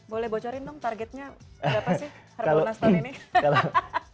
boleh bocorin dong targetnya berapa sih harbolnas tahun ini